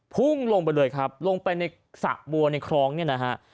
พุ่งลงไปเลยครับลงไปในสระบัวในคลองเนี่ยนะฮะ